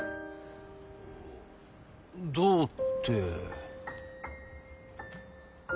どうって。